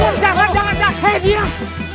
dari acil ke senting